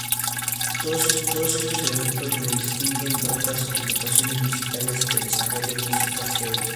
Todos estos elementos le distinguen de otras agrupaciones musicales que desarrollan música "heavy".